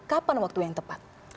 kapan waktu yang tepat